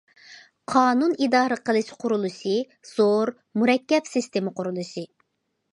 قانۇن ئىدارە قىلىش قۇرۇلۇشى زور، مۇرەككەپ سىستېما قۇرۇلۇشى.